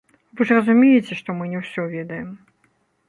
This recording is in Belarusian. Вы ж разумееце, што мы не ўсё ведаем.